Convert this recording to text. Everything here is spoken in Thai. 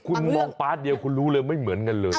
คุณมองภาษาแหล่ะเขลมรู้เลยไม่เหมือนกันเลย